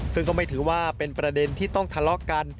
ซึ่งก็ไม่ถือว่าเป็นประเด็นที่ต้องทะเลาะกัน